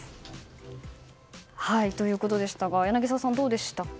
ということでしたが柳澤さん、どうでしたか？